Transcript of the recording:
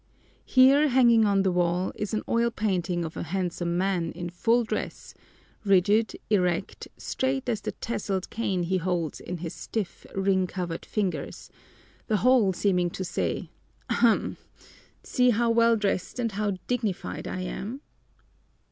Here, hanging on the wall, is an oil painting of a handsome man in full dress, rigid, erect, straight as the tasseled cane he holds in his stiff, ring covered fingers the whole seeming to say, "Ahem! See how well dressed and how dignified I am!"